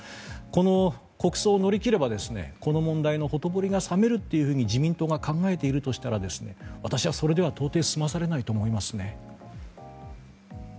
この国葬を乗り切ればこの問題のほとぼりが冷めるというふうに自民党が考えているとしたら私はそれでは到底済まされないと思いますね。